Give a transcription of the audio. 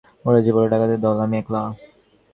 ওরা যে বলে ডাকাতের দল– আমি একলা।